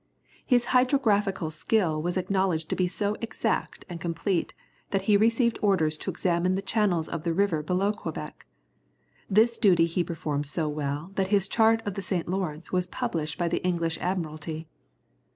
His hydrographical sketch was acknowledged to be so exact and complete that he received orders to examine the channels of the river below Quebec. This duty he performed so well that his chart of the St. Lawrence was published by the English Admiralty.